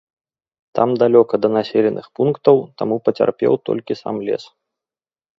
Там далёка да населеных пунктаў, таму пацярпеў толькі сам лес.